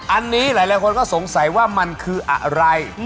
อันนี้หลายคนก็สงสัยว่ามันคืออะไร